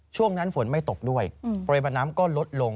ช่วงนั้นฝนไม่ตกด้วยปริมาณน้ำก็ลดลง